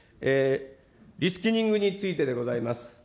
リスキリングについてであります。